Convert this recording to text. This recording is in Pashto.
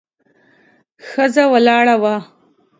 ښځه ولاړه وه.